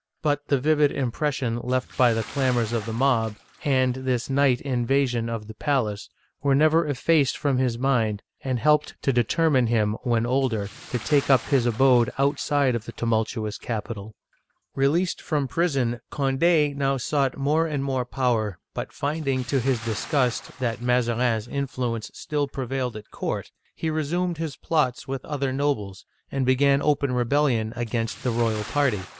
But the vivid impression left by the clamors of the mob, and this night invasion of the palace, were never effaced from his mind, and helped to determine him, when older, to take up his abode outside of the tumultuous capital. Released from prison, Cond6 now sought more and more power, but finding, to his disgust, that Mazarin's influence still prevailed at court, he resumed his plots with other nobles, and began open rebellion against the royal party.